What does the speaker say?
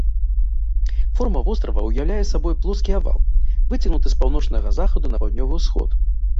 Форма вострава ўяўляе сабою плоскі авал, выцягнуты з паўночнага захаду на паўднёвы ўсход.